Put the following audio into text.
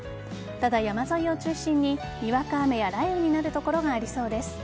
ただ山沿いを中心ににわか雨や雷雨になる所がありそうです。